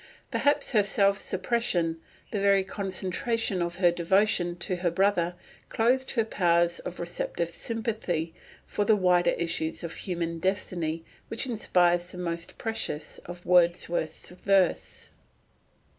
Perhaps her self suppression, the very concentration of her devotion to her brother, closed her powers of receptive sympathy for the wider issues of human destiny which inspires the most precious of Wordsworth's verse.